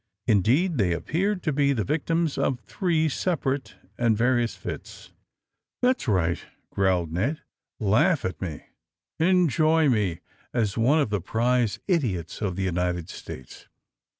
Indeed, they appeared to be the victims of three separate and various fits. 162 THE, SUBMAEINE BOYS That's rigM!" growled Ned. *' Laugh at me. Enjoy me as one of the prize idiots of the United States.